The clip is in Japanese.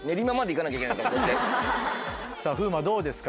さぁ風磨どうですか？